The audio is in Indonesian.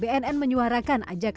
bnn menyuarakan ajakan narkotika